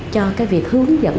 cho cái việc hướng dẫn